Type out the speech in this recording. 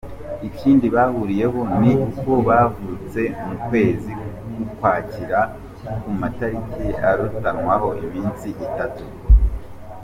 Ikindi bahuriyeho ni uko bavutse mu kwezi k’ Ukwakira, ku matariki arutanwaho iminsi itatu.